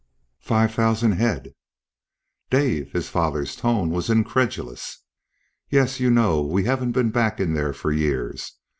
"Five thousand head." "Dave!" His father's tone was incredulous. "Yes. You know we haven't been back in there for years.